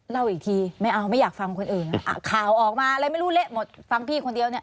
เล่าอีกทีไม่เอาไม่อยากฟังคนอื่นอ่ะข่าวออกมาอะไรไม่รู้เละหมดฟังพี่คนเดียวเนี่ย